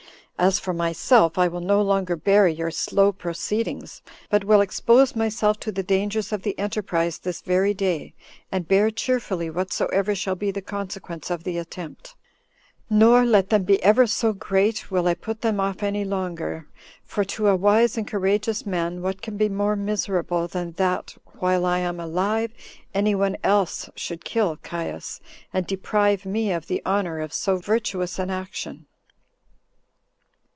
As for myself, I will no longer bear your slow proceedings, but will expose myself to the dangers of the enterprise this very day, and bear cheerfully whatsoever shall be the consequence of the attempt; nor, let them be ever so great, will I put them off any longer: for, to a wise and courageous man, what can be more miserable than that, while I am alive, any one else should kill Caius, and deprive me of the honor of so virtuous an action?"